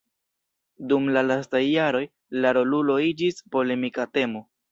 Dum la lastaj jaroj, la rolulo iĝis polemika temo.